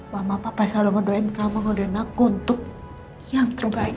mama papa selalu ngedoin kamu ngedoin aku untuk yang terbaik